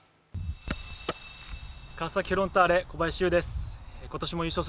川崎フロンターレ、小林悠です。